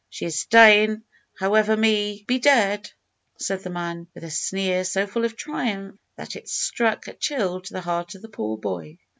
"She's dyin', however, may be dead," said the man, with a sneer so full of triumph, that it struck a chill to the heart of the poor boy.